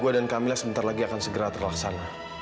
gue dan kamilah sebentar lagi akan segera terlaksana